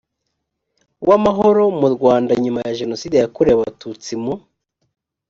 w amahoro mu rwanda nyuma ya jenoside yakorewe abatutsi mu